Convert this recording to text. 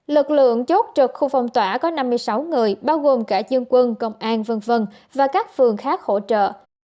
lực lượng chốt trực khu phong tỏa có năm mươi sáu người bao gồm cả dân quân công an v v và các phường khác hỗ trợ